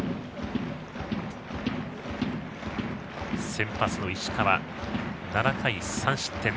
先発の石川は７回３失点。